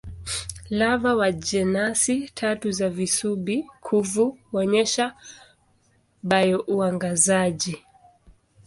Lava wa jenasi tatu za visubi-kuvu huonyesha bio-uangazaji.